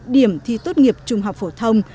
điểm thi tốt nghiệp trung học phổ thông